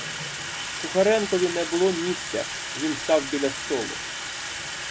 Кухаренкові не було місця, він став біля столу.